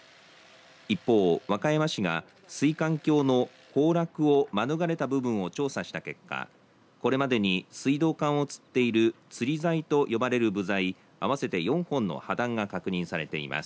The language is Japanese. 一方、和歌山市が水管橋の崩落をまぬがれた部分を調査した結果これまでに水道管をつっているつり材と呼ばれる部材合わせて４本の破断が確認されています。